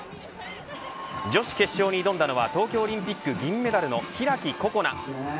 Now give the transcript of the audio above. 女子決勝に挑んだのは東京オリンピック銀メダルの開心那。